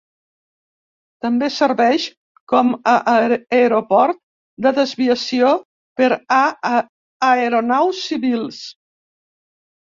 També serveix com a aeroport de desviació per a aeronaus civils.